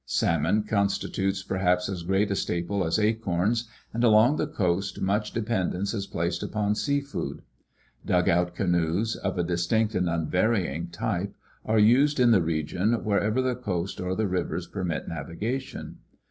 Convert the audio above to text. Salmon constitutes perhaps as great a staple as acorns, and along the coast much dependence is placed upon sea food. Dug out canoes, of a distinct and unvarying type, are used in the region wherever the coast or the rivers permit navigation